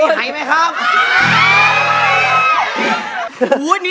นี่หนักเหมือนกันนะเนี่ย